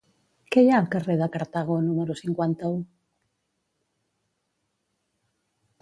Què hi ha al carrer de Cartago número cinquanta-u?